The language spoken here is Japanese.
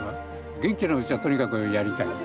元気なうちは、とにかくやりたい。